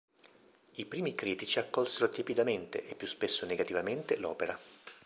I primi critici accolsero tiepidamente e più spesso negativamente l'opera.